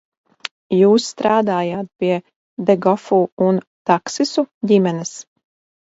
Jūs strādājat pie Degofu un Taksisu ģimenes?